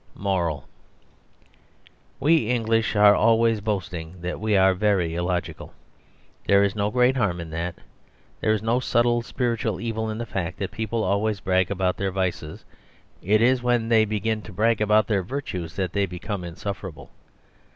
Moral. We English are always boasting that we are very illogical; there is no great harm in that. There is no subtle spiritual evil in the fact that people always brag about their vices; it is when they begin to brag about their virtues that they become insufferable.